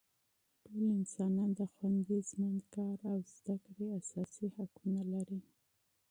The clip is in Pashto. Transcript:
ټول انسانان د خوندي ژوند، کار او زده کړې اساسي حقونه لري.